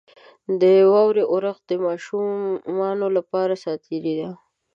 • د واورې اورښت د ماشومانو لپاره ساتیري ده.